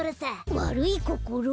わるいこころ！？